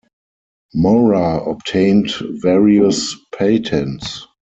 Mora obtained various patents.